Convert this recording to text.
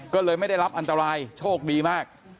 ก็เลยไม่ได้รับอันตรายโชคดีมาก